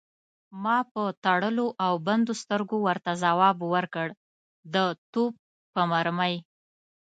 ما په تړلو او بندو سترګو ورته ځواب ورکړ: د توپ په مرمۍ.